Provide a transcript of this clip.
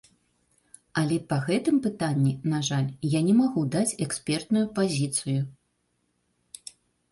Але па гэтым пытанні, на жаль, я не магу даць экспертную пазіцыю.